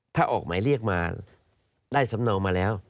ถ้าออกหมายเรียกมาได้สำเนามาแล้ว